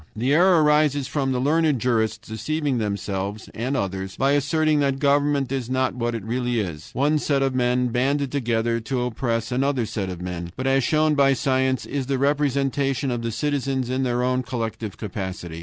The error arises from the learned jurists deceiving themselves and others, by asserting that government is not what it really is, one set of men banded together to oppress another set of men, but, as shown by science, is the representation of the citizens in their collective capacity.